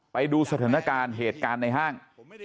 ไปดูสถานการณ์เหตุการณ์ในห้าง